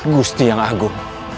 gusti yang agung